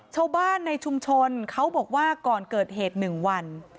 ชาวบ้านในชุมชนเขาบอกว่าก่อนเกิดเหตุ๑วัน